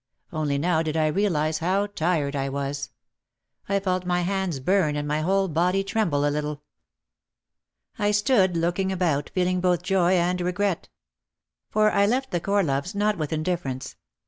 Only now did I realise how tired I was. I felt my hands burn and my whole body tremble a little. I stood looking about, feeling both joy and regret. For I left the Corloves not with indifference.